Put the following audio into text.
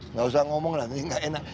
nggak usah ngomong lah ini nggak enak